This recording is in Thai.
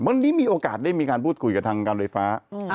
วันนี้มีโอกาสได้มีการพูดคุยกับทางการไฟฟ้า